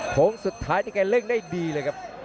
โค้งสุดท้ายนี่แกเร่งได้ดีเลยครับ